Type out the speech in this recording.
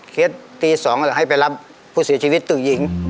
เคสตี๒ให้ไปรับผู้เสียชีวิตตู้หญิง